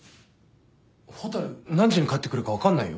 蛍何時に帰ってくるか分かんないよ？